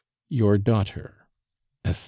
Your daughter, "ESTHER."